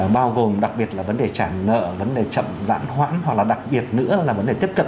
bao gồm đặc biệt là vấn đề trả nợ vấn đề chậm giãn hoãn hoặc là đặc biệt nữa là vấn đề tiếp cận